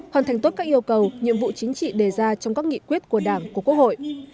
hoàn thành tốt các yêu cầu nhiệm vụ chính trị đề ra trong các nghị quyết của đảng của quốc hội